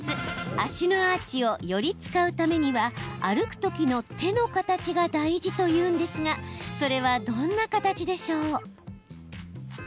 足のアーチをより使うためには歩くときの手の形が大事というんですがそれは、どんな形でしょう？